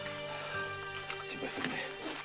心配するな。